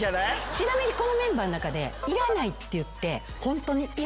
ちなみにこのメンバーの中でいらないって言ってホントにいらない人。